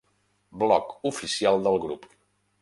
Blog oficial del grup.